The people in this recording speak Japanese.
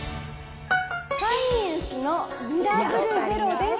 サイエンスのミラブルゼロです。